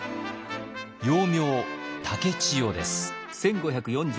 幼名竹千代です。